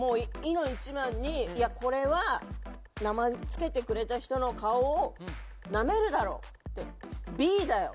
これは名前を付けてくれた人の顔をなめるだろうって「Ｂだよ」